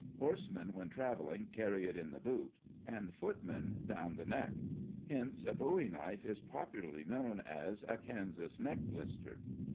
Horsemen, when travelling, carry it in the boot, and foot men down the neck; hence a bowie knife is popularly known as a " Kansas neck blister."